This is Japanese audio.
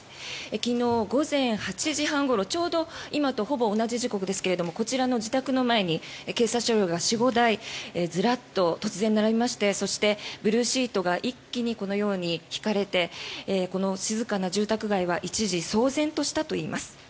昨日午前８時半ごろちょうど今とほぼ同じ時刻ですがこちらの自宅の前に警察車両が４５台ずらっと突然並びましてそして、ブルーシートが一気にこのように引かれて静かな住宅街は一時騒然としたといいます。